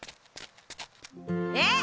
えっ！